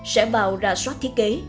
sẽ vào rà soát thiết kế